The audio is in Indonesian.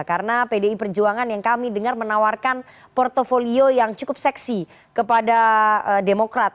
karena pdi perjuangan yang kami dengar menawarkan portfolio yang cukup seksi kepada demokrat